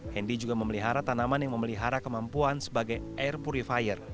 hendy juga memelihara tanaman yang memelihara kemampuan sebagai air purifier